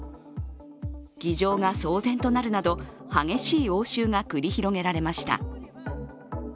議場が騒然となるなど激しい応酬が繰り広げられました。